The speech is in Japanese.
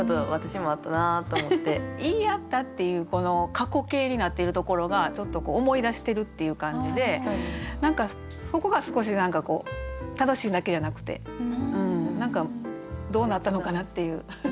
「言いあった」っていうこの過去形になっているところがちょっと思い出してるっていう感じで何かそこが少し楽しいだけじゃなくてどうなったのかなっていう。